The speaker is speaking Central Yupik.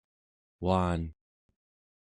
uan